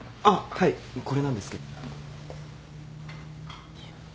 これなんですけど。